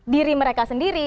diri mereka sendiri